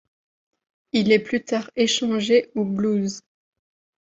Il est plus tard échangé aux Blues.